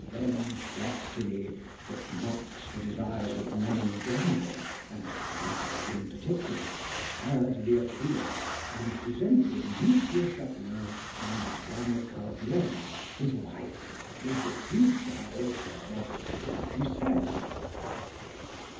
Then Destiny, that mocks the desires of men in general, and fathers in particular, heard the appeal, and presented M. Chapelain and Jeanne Corbiére his wife with the future author of 'La Pucelle.'